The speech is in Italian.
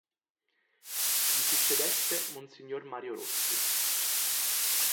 Gli succedette monsignor Mario Rossi.